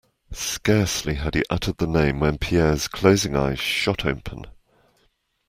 Scarcely had he uttered the name when Pierre's closing eyes shot open.